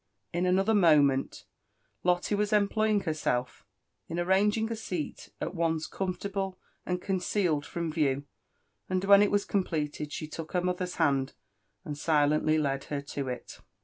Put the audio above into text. In another moment Lotte was employing herself in arranging a seat at once comfortable and concealed from view ; and when it was com pleted, she took her mother's hand and silently led her to it.